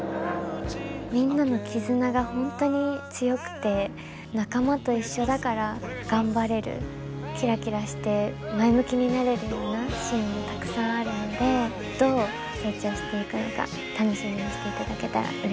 みんなの絆が本当に強くて仲間と一緒だから頑張れるキラキラして前向きになれるようなシーンもたくさんあるのでどう成長していくのか楽しみにしていただけたらうれしいです。